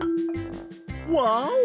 ワオ！